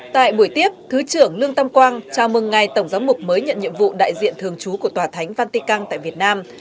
tại buổi tiếp thứ trưởng lương tam quang chào mừng ngày tổng giám mục mới nhận nhiệm vụ đại diện thường chú của tòa thánh vatican tại việt nam